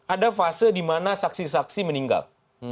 ada fase di mana saksi saksi meninggal